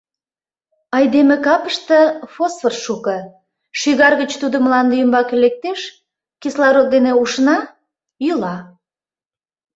Айдеме капыште фосфор шуко, шӱгар гыч тудо мланде ӱмбаке лектеш, кислород дене ушна, йӱла.